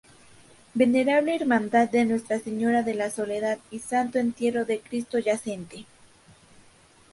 Venerable Hermandad de Nuestra Señora de la Soledad y Santo Entierro de Cristo yacente.